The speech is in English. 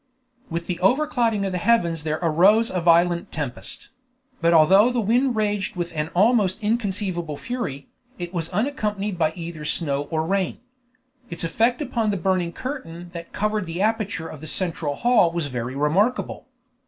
With the over clouding of the heavens there arose a violent tempest; but although the wind raged with an almost inconceivable fury, it was unaccompanied by either snow or rain. Its effect upon the burning curtain that covered the aperture of the central hall was very remarkable.